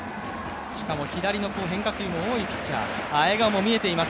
しかも左の変化球も多いピッチャー、笑顔も見えています。